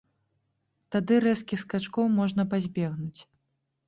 Тады рэзкіх скачкоў можна пазбегнуць.